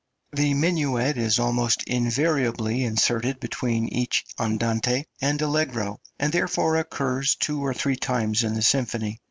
The minuet is almost invariably inserted between each andante and allegro, and therefore occurs two or three times in the symphony.